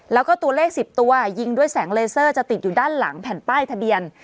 แล้วก็ตัวเลข๑๐ตัวยิงด้วยแสงเลเซอร์จะติดอยู่ด้านหลังแผ่นป้ายทะเบียน